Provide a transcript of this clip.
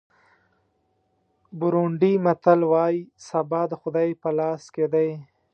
بورونډي متل وایي سبا د خدای په لاس کې دی.